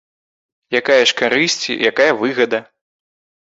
Якая ж карысць, якая выгада?